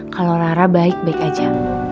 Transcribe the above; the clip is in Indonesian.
kalau lara baik baik aja